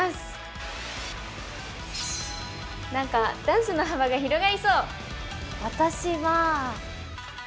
なんかダンスの幅が広がりそう。